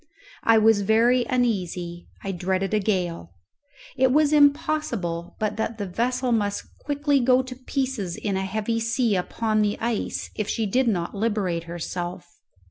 I was very uneasy; I dreaded a gale. It was impossible but that the vessel must quickly go to pieces in a heavy sea upon the ice if she did not liberate herself.